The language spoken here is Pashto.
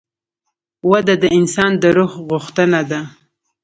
وده د انسان د روح غوښتنه ده.